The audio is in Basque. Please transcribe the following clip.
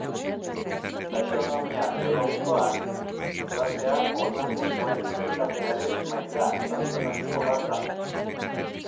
Taxonomia biologikoan, klasea organismoen sailkapenaren maila taxonomiko bat da.